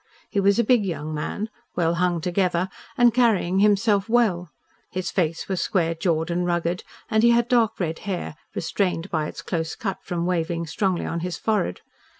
He was a big young man, well hung together, and carrying himself well; his face was square jawed and rugged, and he had dark red hair restrained by its close cut from waving strongly on his forehead.